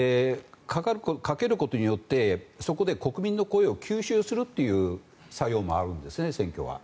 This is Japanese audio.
かけることによってそこで国民の声を吸収するという作用もあるんですね、選挙は。